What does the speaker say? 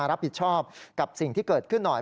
แล้วรับผิดชอบสิ่งที่เกิดขึ้นหน่อย